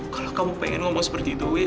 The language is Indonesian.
kalau kamu pengen ngomong seperti itu